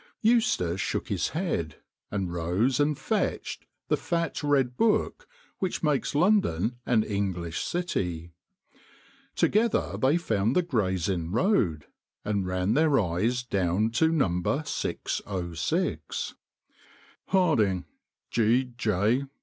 Eustace shook his head, and rose and fetched the fat red book which makes London an English city. Together they found the Gray's Inn Road, and ran their eyes down to No. 606. "'Harding, G. J.